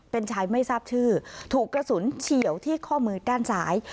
เป็นชายไม่ทราบชื่อถูกกระสุนเฉียวที่ข้อมือด้านซ้าย